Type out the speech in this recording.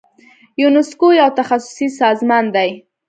یونسکو یو تخصصي سازمان دی.